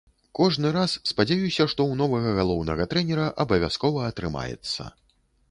Кожны раз спадзяюся, што ў новага галоўнага трэнера абавязкова атрымаецца.